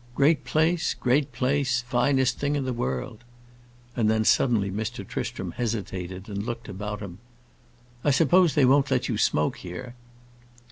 "Great place, great place. Finest thing in the world." And then, suddenly, Mr. Tristram hesitated and looked about him. "I suppose they won't let you smoke here."